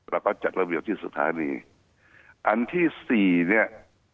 แล้วก็จัดระเบียบที่สุธานีอันที่สี่เนี่ย